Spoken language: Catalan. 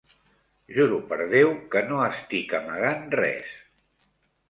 Juro per Déu que no estic amagant res.